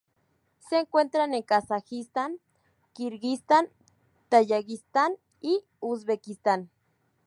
Se encuentran en Kazajistán, Kirguistán, Tayikistán y Uzbekistán.